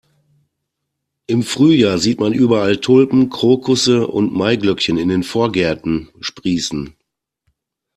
Im Frühjahr sieht man überall Tulpen, Krokusse und Maiglöckchen in den Vorgärten sprießen.